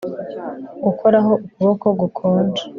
Gukoraho ukuboko gukonje